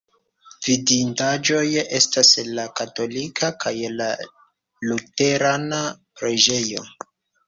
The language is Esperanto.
Vidindaĵoj estas la katolika kaj la luterana preĝejoj.